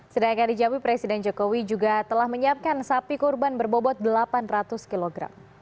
sedangkan di jambi presiden jokowi juga telah menyiapkan sapi kurban berbobot delapan ratus kg